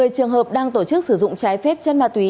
một mươi trường hợp đang tổ chức sử dụng trái phép chân ma túy